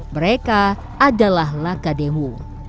mereka adalah lakademu